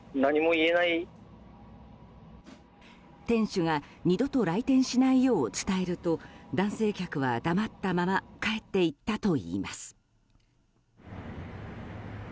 店主は二度と来店しないよう伝えると男性客は黙ったまま帰っていったといいます。